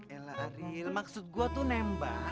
elah ril maksud gua tuh nembak